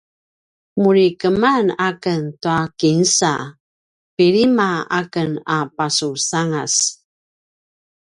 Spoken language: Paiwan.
nuri keman aken tua kinsa pilima aken a pasusangas